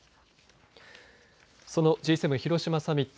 そのＧ７広島サミット